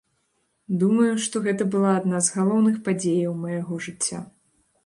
Думаю, што гэта была адна з галоўных падзеяў майго жыцця.